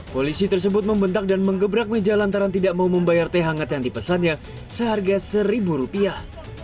polisi tersebut membentak dan mengebrak meja lantaran tidak mau membayar teh hangat yang dipesannya seharga seribu rupiah